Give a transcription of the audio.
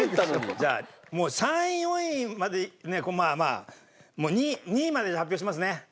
じゃあもう３位４位までまあまあもう２位２位まで発表しますね。